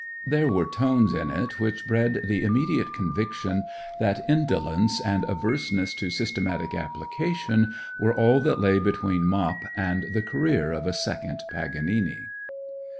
There were tones in it which bred the immediate conviction that indolence and averseness to systematic application were all that lay between 'Mop' and the career of a second Paganini.